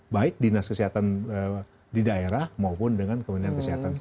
baik dinas kesehatan di daerah maupun dengan kemudian kesehatan di luar